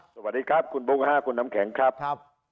สวัสดีครับคุณบุ๊คคุณน้ำแข็งครับ